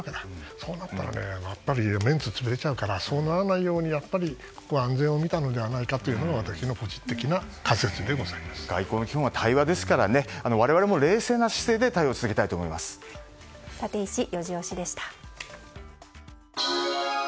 そうなったらメンツが潰れちゃうからそうならないように、安全を見たのではないかというのが外交の基本は対話ですから我々も冷静な姿勢でタテイシ４時推しでした。